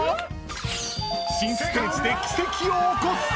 ［新ステージで奇跡を起こす！］